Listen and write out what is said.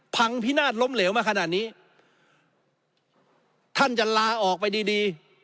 พินาศล้มเหลวมาขนาดนี้ท่านจะลาออกไปดีดี